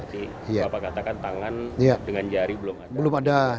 tadi bapak katakan tangan dengan jari belum ada